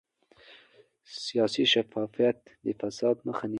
سیاسي شفافیت د فساد مخه نیسي